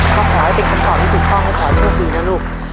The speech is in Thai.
ขอขอให้เป็นคำถามทุกข้อให้ขอโชคดีนะลูก